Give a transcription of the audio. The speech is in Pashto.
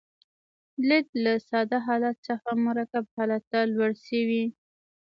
لید له ساده حالت څخه مرکب حالت ته لوړ شوی.